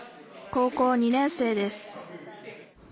高校２年生です